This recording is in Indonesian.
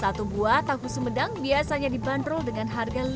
satu buah tahu sumedang biasanya dibanderol dengan harga